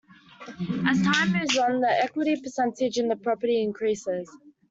As time moves on, the equity percentage in the property increases.